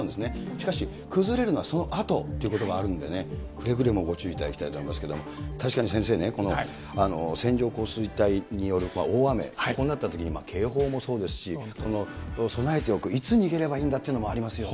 しかし、崩れるのはそのあとということがあるのでね、くれぐれもご注意いただきたいと思いますけれども、確かに先生ね、線状降水帯による大雨、こうなったときに、警報もそうですし、備えておく、いつ逃げればいいんだというのもありますよね。